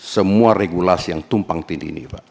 semua regulasi yang tumpang tindih ini pak